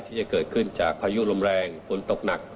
ที่จะเกิดขึ้นจากพายุลมแรงฝนตกหนัก